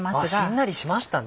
しんなりしましたね。